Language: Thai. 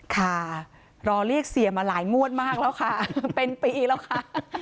ค่ะรอเรียกเสียมาหลายงวดมากแล้วค่ะเป็นปีแล้วค่ะ